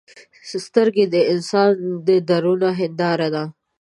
سترګې د انسان د درون هنداره ده